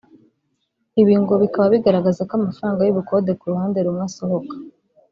ibi ngo bikaba bigaragaza ko amafranga y’ubukode ku ruhande rumwe asohoka